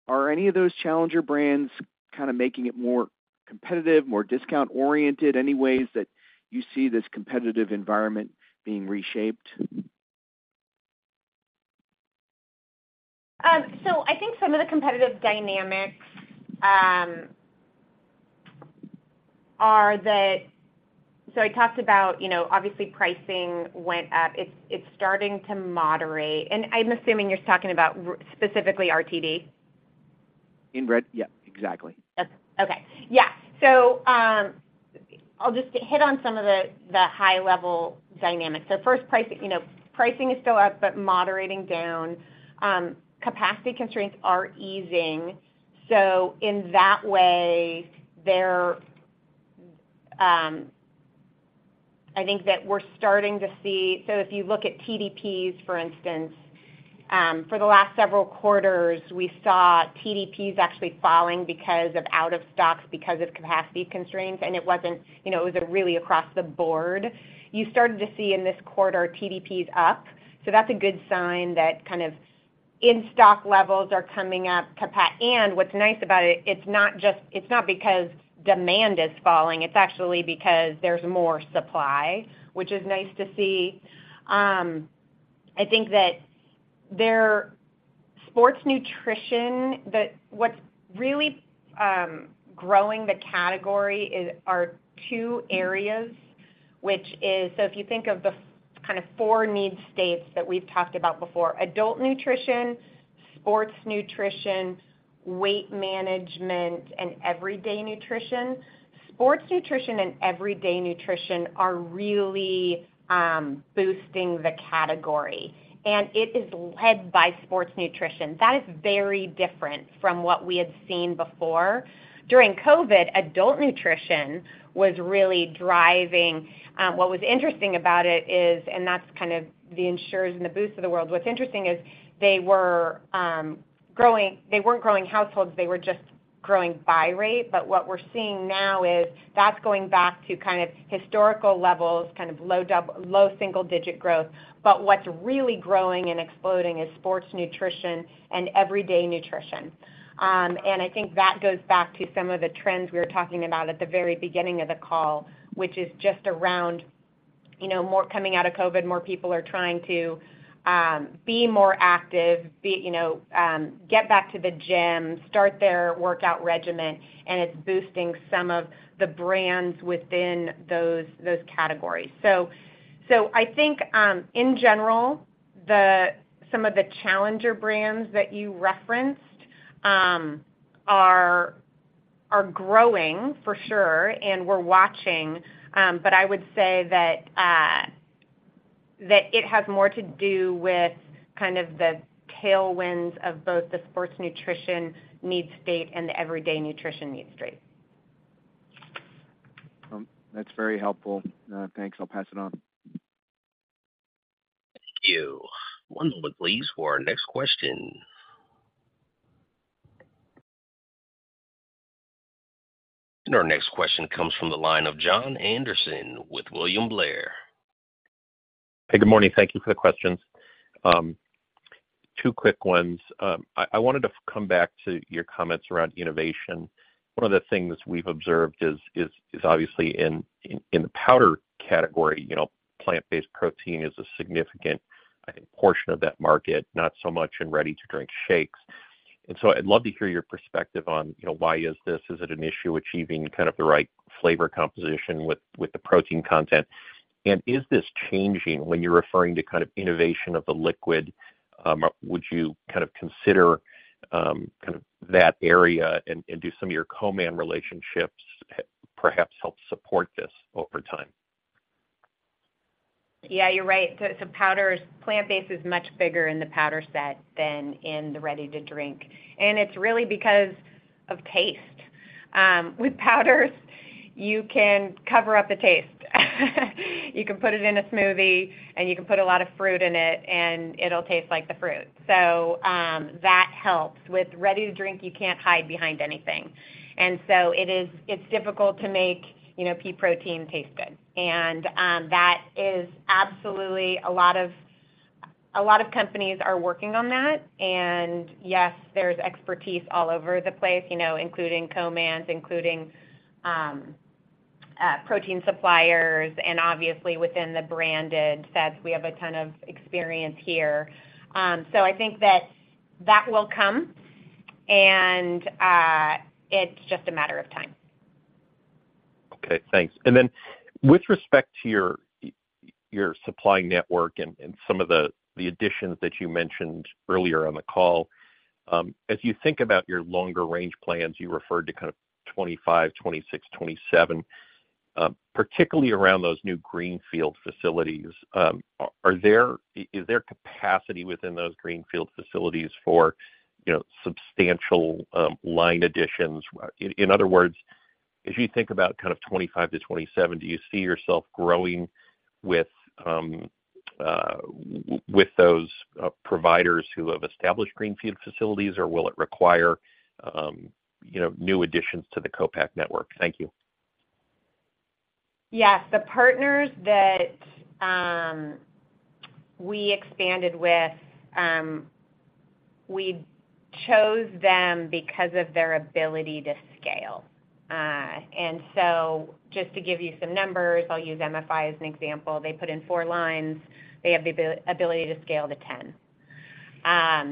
Are any of those challenger brands kinda making it more competitive, more discount-oriented, any ways that you see this competitive environment being reshaped? I think some of the competitive dynamics are that... I talked about, you know, obviously pricing went up. It's, it's starting to moderate, and I'm assuming you're talking about specifically RTD? Yeah, exactly. I'll just hit on some of the, the high-level dynamics. First, pricing, you know, pricing is still up, but moderating down. Capacity constraints are easing. In that way, they're, I think that we're starting to see, if you look at TDPs, for instance, for the last several quarters, we saw TDPs actually falling because of out-of-stocks, because of capacity constraints, and it wasn't, you know, it was a really across the board. You started to see in this quarter, TDPs up, so that's a good sign that kind of in-stock levels are coming up. What's nice about it, it's not because demand is falling, it's actually because there's more supply, which is nice to see. I think that their sports nutrition, the-- what's really growing the category is, are two areas, which is, if you think of the kind of four need states that we've talked about before, Adult Nutrition, Sports Nutrition, Weight Management, and Everyday Nutrition. Sports Nutrition and Everyday Nutrition are really boosting the category, and it is led by Sports Nutrition. That is very different from what we had seen before. During COVID, Adult Nutrition was really driving. What was interesting about it is, and that's kind of the ensures and the boosts of the world. What's interesting is they were growing, they weren't growing households, they were just growing by rate. What we're seeing now is that's going back to kind of historical levels, kind of low single-digit growth. What's really growing and exploding is Sports Nutrition and Everyday Nutrition. I think that goes back to some of the trends we were talking about at the very beginning of the call, which is just around, you know, more coming out of COVID, more people are trying to be more active, be, you know, get back to the gym, start their workout regimen, and it's boosting some of the brands within those, those categories. So I think in general, some of the challenger brands that you referenced, are, are growing for sure, and we're watching, but I would say that it has more to do with kind of the tailwinds of both the sports nutrition need state and the everyday nutrition need state. That's very helpful. Thanks. I'll pass it on. Thank you. One moment, please, for our next question. Our next question comes from the line of Jon Andersen with William Blair. Hey, good morning. Thank you for the questions. Two quick ones. I wanted to come back to your comments around innovation. One of the things we've observed is obviously in the powder category, you know, plant-based protein is a significant, I think, portion of that market, not so much in ready-to-drink shakes. I'd love to hear your perspective on, you know, why is this? Is it an issue achieving kind of the right flavor composition with the protein content? Is this changing when you're referring to kind of innovation of the liquid, would you kind of consider kind of that area and do some of your co-man relationships, perhaps help support this over time? Yeah, you're right. So powders-- plant-based is much bigger in the powder set than in the ready-to-drink, and it's really because of taste. With powders, you can cover up the taste. You can put it in a smoothie, and you can put a lot of fruit in it, and it'll taste like the fruit. That helps. With ready-to-drink, you can't hide behind anything. It is... It's difficult to make, you know, pea protein taste good. That is absolutely a lot of companies are working on that. Yes, there's expertise all over the place, you know, including co-mans, including protein suppliers, and obviously within the branded sets, we have a ton of experience here. I think that that will come, and it's just a matter of time. Okay, thanks. Then with respect to your, your supplying network and, and some of the, the additions that you mentioned earlier on the call, as you think about your longer range plans, you referred to kind of 2025, 2026, 2027. Particularly around those new greenfield facilities, is there capacity within those greenfield facilities for, you know, substantial line additions? In other words, as you think about kind of 2025-2027, do you see yourself growing with with those providers who have established greenfield facilities, or will it require, you know, new additions to the co-pack network? Thank you. Yes, the partners that we expanded with, we chose them because of their ability to scale. So just to give you some numbers, I'll use MFI as an example. They put in 4 lines. They have the ability to scale to 10. Yeah,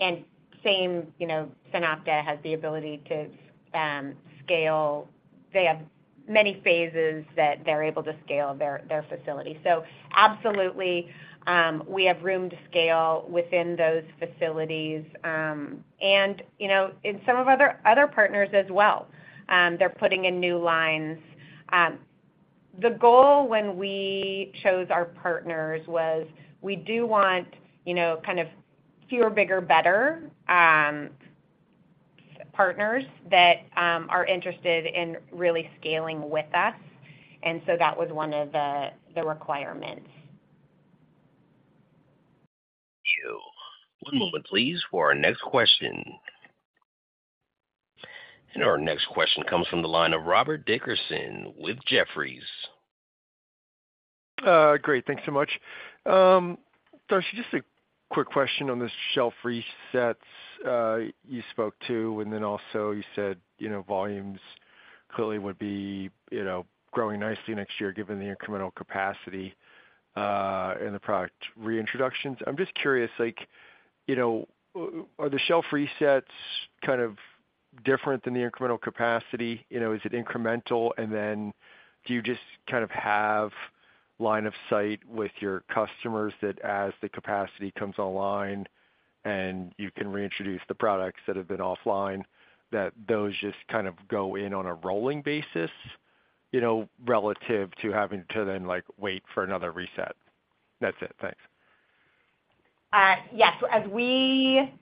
and same, you know, SunOpta has the ability to scale. They have many phases that they're able to scale their, their facility. So absolutely, we have room to scale within those facilities, and, you know, in some of other, other partners as well, they're putting in new lines. The goal when we chose our partners was we do want, you know, kind of fewer, bigger, better, partners that are interested in really scaling with us, and so that was one of the, the requirements. Thank you. One moment, please, for our next question. Our next question comes from the line of Robert Dickerson with Jefferies. Great. Thanks so much. Darcy, just a quick question on the shelf resets, you spoke to, and then also you said, you know, volumes clearly would be, you know, growing nicely next year given the incremental capacity, and the product reintroductions. I'm just curious, like, you know, are the shelf resets kind of different than the incremental capacity? You know, is it incremental? Then do you just kind of have line of sight with your customers that as the capacity comes online and you can reintroduce the products that have been offline, that those just kind of go in on a rolling basis, you know, relative to having to then, like, wait for another reset? That's it. Thanks. Yes. As we...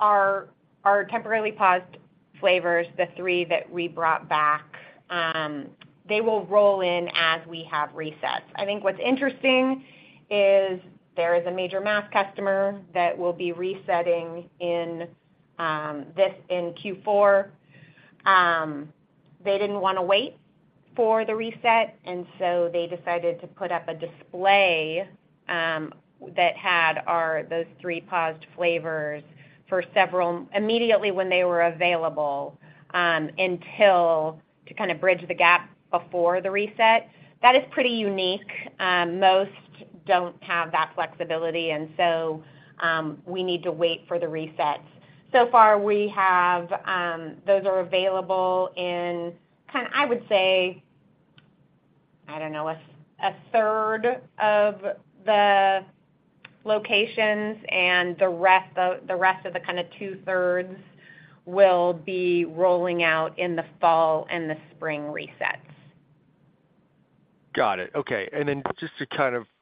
Our, our temporarily paused flavors, the three that we brought back, they will roll in as we have resets. I think what's interesting is there is a major mass customer that will be resetting in this in Q4. They didn't wanna wait for the reset, and so they decided to put up a display that had our those three paused flavors for several immediately when they were available, until, to kind of bridge the gap before the reset. That is pretty unique. Most don't have that flexibility, and so we need to wait for the resets. Far, we have those are available in kind of, I would say, I don't know, a third of the locations, and the rest of the kind of two-thirds will be rolling out in the fall and the spring resets. Got it. Okay. And then just to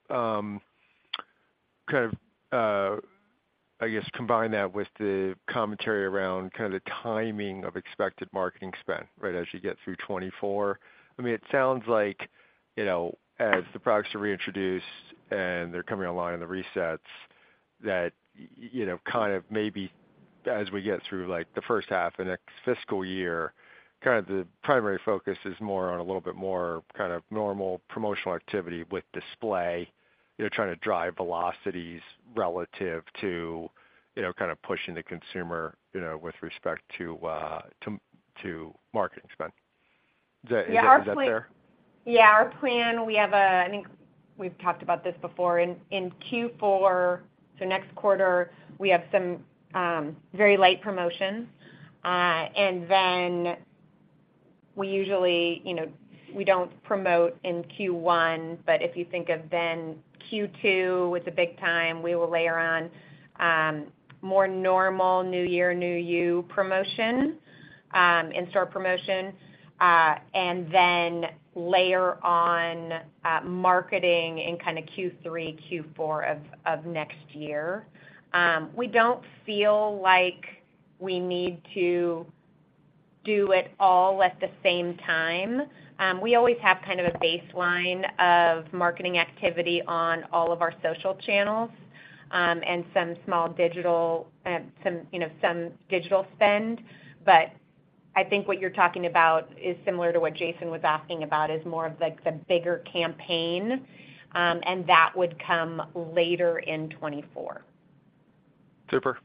kind of, I guess, combine that with the commentary around kind of the timing of expected marketing spend, right, as you get through 2024. I mean, it sounds like, you know, as the products are reintroduced and they're coming online in the resets-... that, kind of maybe as we get through, like, the first half of the next fiscal year, kind of the primary focus is more on a little bit more kind of normal promotional activity with display, you know, trying to drive velocities relative to, you know, kind of pushing the consumer, with respect to, to, to marketing spend. Is that fair? Yeah, our plan, we have a, I think we've talked about this before in Q4, so next quarter, we have some very light promotions, and then we usually, you know, we don't promote in Q1, but if you think of then Q2 with the big time, we will layer on more normal New Year, New You promotion, in-store promotion, and then layer on marketing in kind of Q3, Q4 of next year. We don't feel like we need to do it all at the same time. We always have kind of a baseline of marketing activity on all of our social channels, and some small digital, some, you know, some digital spend. I think what you're talking about is similar to what Jason was asking about, is more of like the bigger campaign, and that would come later in 2024. Super.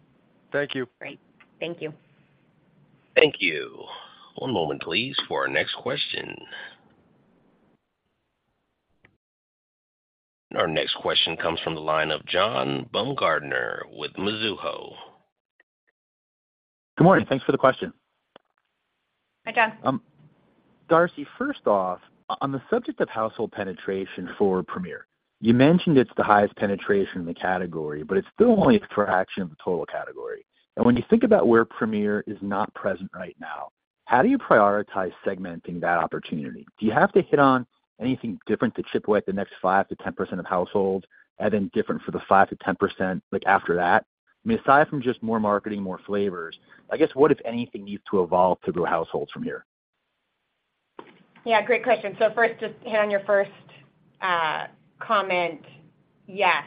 Thank you. Great. Thank you. Thank you. One moment, please, for our next question. Our next question comes from the line of John Baumgartner with Mizuho. Good morning. Thanks for the question. Hi, John. Darcy, first off, on the subject of household penetration for Premier, you mentioned it's the highest penetration in the category, but it's still only a fraction of the total category. When you think about where Premier is not present right now, how do you prioritize segmenting that opportunity? Do you have to hit on anything different to chip away at the next 5%-10% of households, and then different for the 5%-10%, like, after that? I mean, aside from just more marketing, more flavors, I guess, what, if anything, needs to evolve through the households from here? Yeah, great question. First, just hang on your first comment. Yes,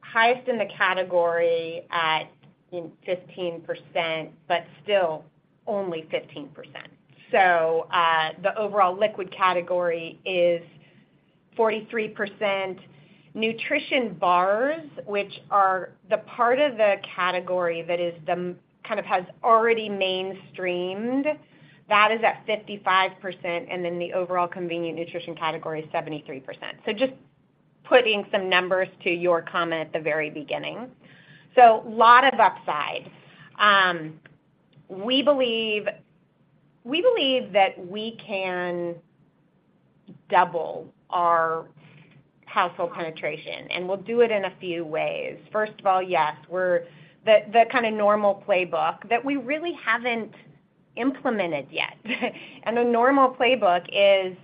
highest in the category at 15%, but still only 15%. The overall liquid category is 43%. Nutrition bars, which are the part of the category that has already mainstreamed, that is at 55%, and then the overall convenient nutrition category is 73%. Just putting some numbers to your comment at the very beginning. We believe, we believe that we can double our household penetration, and we'll do it in a few ways. First of all, yes, we're the, the kind of normal playbook that we really haven't implemented yet. A normal playbook is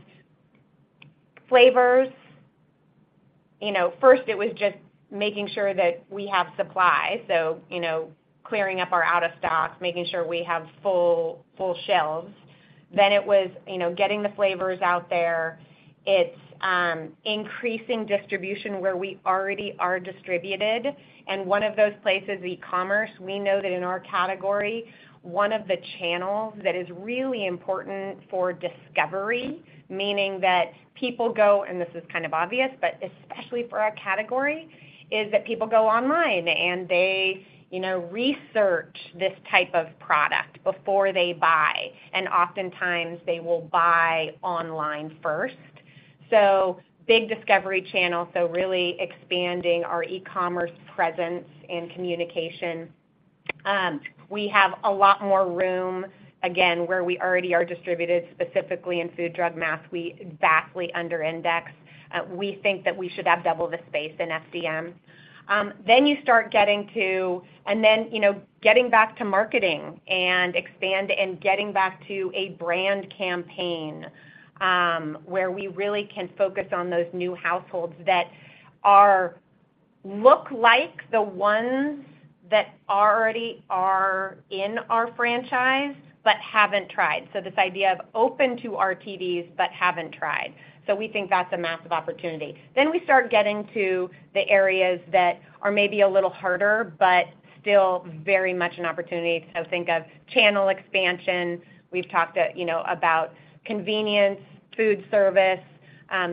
flavors. You know, first it was just making sure that we have supply, clearing up our out of stocks, making sure we have full, full shelves. It was, you know, getting the flavors out there. It's increasing distribution where we already are distributed, and one of those places, e-commerce, we know that in our category, one of the channels that is really important for discovery, meaning that people go, and this is kind of obvious, but especially for our category, is that people go online and they, you know, research this type of product before they buy, and oftentimes they will buy online first. Big discovery channel, so really expanding our e-commerce presence and communication. We have a lot more room, again, where we already are distributed, specifically in food, drug, mass. We vastly under index. We think that we should have double the space in FDM. You start getting to... you know, getting back to marketing and expand and getting back to a brand campaign, where we really can focus on those new households that look like the ones that already are in our franchise but haven't tried. This idea of open to RTDs but haven't tried. We think that's a massive opportunity. We start getting to the areas that are maybe a little harder, but still very much an opportunity. Think of channel expansion. We've talked, you know, about convenience, food service,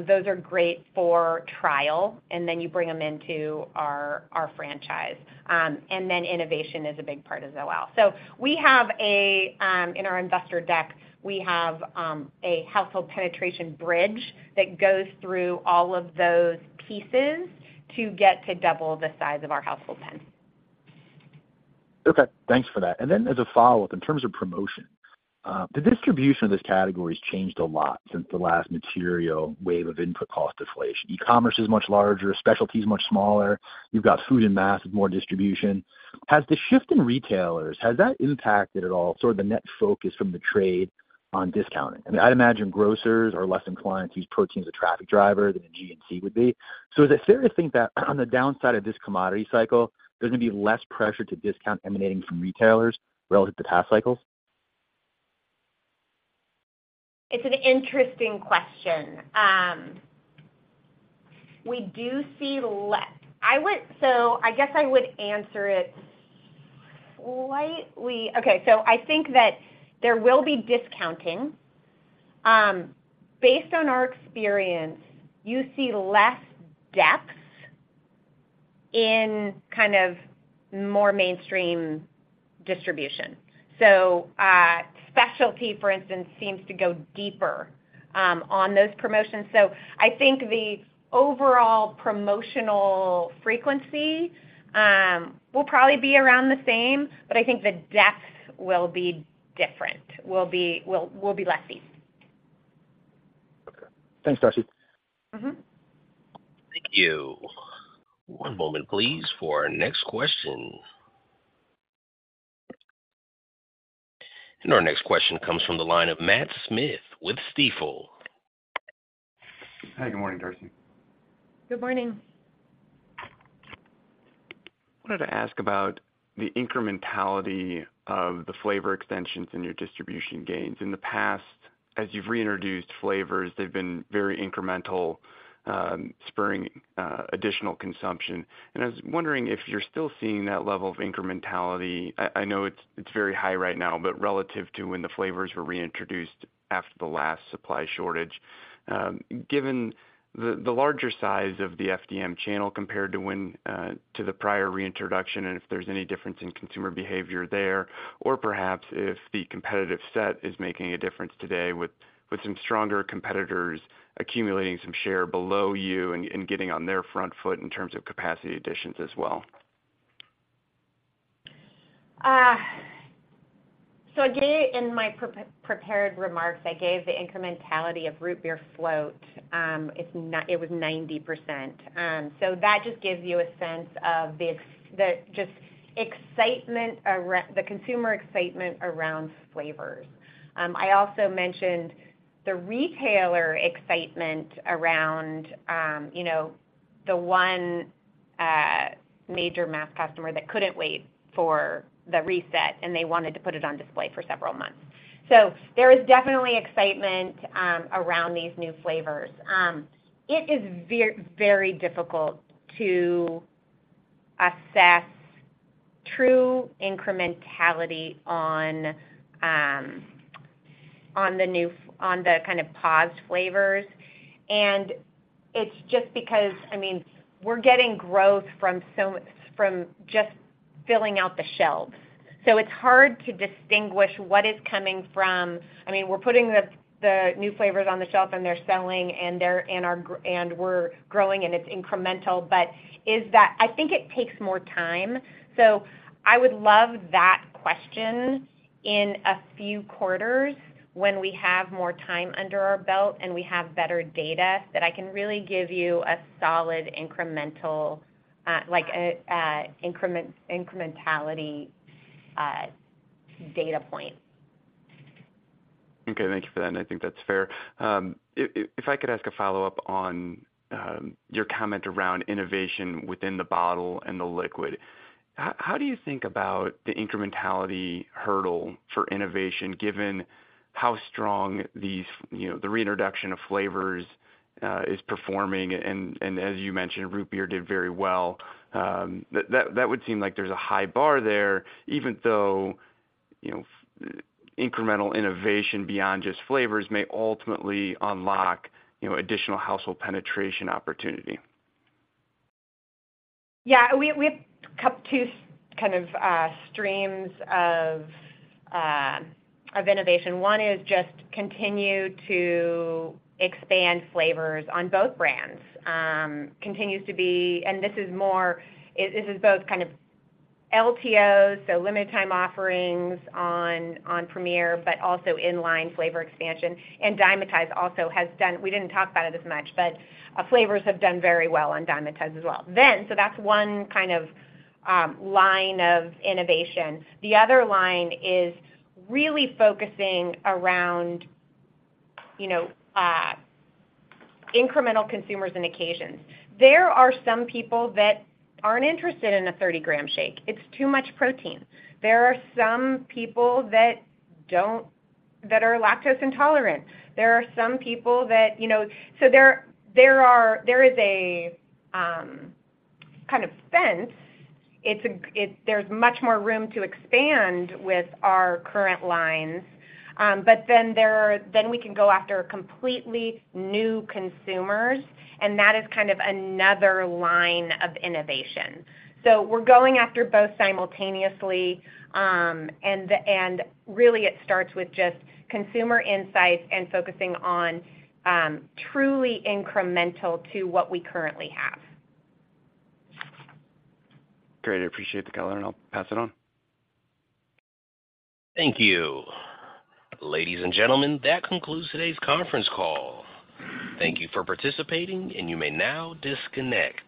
those are great for trial, and then you bring them into our, our franchise. Innovation is a big part as well. We have a, in our investor deck, we have, a household penetration bridge that goes through all of those pieces to get to double the size of our household pen. Okay, thanks for that. As a follow-up, in terms of promotion, the distribution of this category has changed a lot since the last material wave of input cost deflation. E-commerce is much larger, specialty is much smaller. You've got food and mass with more distribution. Has the shift in retailers, has that impacted at all, sort of the net focus from the trade on discounting? I mean, I'd imagine grocers are less inclined to use protein as a traffic driver than a GNC would be. Is it fair to think that on the downside of this commodity cycle, there's going to be less pressure to discount emanating from retailers relative to past cycles? It's an interesting question. We do see less. I guess I would answer it slightly... Okay, I think that there will be discounting. Based on our experience, you see less depth in kind of more mainstream distribution. Specialty, for instance, seems to go deeper on those promotions. I think the overall promotional frequency will probably be around the same, but I think the depth will be different, will be, will, will be less deep. Okay. Thanks, Darcy. Mm-hmm. Thank you. One moment, please, for our next question. Our next question comes from the line of Matt Smith with Stifel. Hi, good morning, Darcy. Good morning. I wanted to ask about the incrementality of the flavor extensions in your distribution gains. In the past, as you've reintroduced flavors, they've been very incremental, spurring additional consumption. I was wondering if you're still seeing that level of incrementality. I, I know it's, it's very high right now, but relative to when the flavors were reintroduced after the last supply shortage, given the larger size of the FDM channel compared to when to the prior reintroduction, and if there's any difference in consumer behavior there, or perhaps if the competitive set is making a difference today with, with some stronger competitors accumulating some share below you and, and getting on their front foot in terms of capacity additions as well. Again, in my prepared remarks, I gave the incrementality of Root Beer Float. It was 90%. That just gives you a sense of the just excitement around the consumer excitement around flavors. I also mentioned the retailer excitement around, you know, the one major mass customer that couldn't wait for the reset, and they wanted to put it on display for several months. There is definitely excitement around these new flavors. It is very difficult to assess true incrementality on the new on the kind of paused flavors. It's just because, I mean, we're getting growth from so from just filling out the shelves. It's hard to distinguish what is coming from... I mean, we're putting the, the new flavors on the shelf, and they're selling, and we're growing, and it's incremental, but is that, I think it takes more time. I would love that question in a few quarters when we have more time under our belt and we have better data, that I can really give you a solid incremental, like, incrementality data point. Okay, thank you for that. I think that's fair. If I could ask a follow-up on your comment around innovation within the bottle and the liquid. How do you think about the incrementality hurdle for innovation, given how strong these, you know, the reintroduction of flavors is performing, and as you mentioned, Root Beer did very well? That, that would seem like there's a high bar there, even though, you know, incremental innovation beyond just flavors may ultimately unlock, you know, additional household penetration opportunity. Yeah, we, we have a couple, two kind of, streams of innovation. One is just continue to expand flavors on both brands. continues to be... This is more, this is both kind of LTOs, so Limited Time Offerings on, on Premier, but also in-line flavor expansion. Dymatize also has done, we didn't talk about it as much, but our flavors have done very well on Dymatize as well. That's one kind of, line of innovation. The other line is really focusing around, you know, incremental consumers and occasions. There are some people that aren't interested in a 30 gram shake. It's too much protein. There are some people that are lactose intolerant. There are some people that, you know, there, there is a, kind of fence. It's there's much more room to expand with our current lines, but then then we can go after completely new consumers, and that is kind of another line of innovation. We're going after both simultaneously, and the, and really it starts with just consumer insights and focusing on, truly incremental to what we currently have. Great. I appreciate the color, and I'll pass it on. Thank you. Ladies and gentlemen, that concludes today's conference call. Thank you for participating, and you may now disconnect.